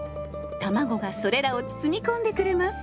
卵がそれらを包み込んでくれます。